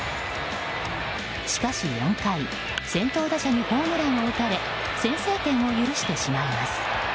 しかし４回、先頭打者にホームランを打たれ先制点を許してしまいます。